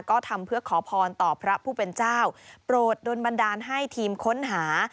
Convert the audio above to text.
ก็ทำเพื่อขอพรต่อพระผู้เป็นเจ้าโปรดโดนบันดาลให้ทีมค้นหา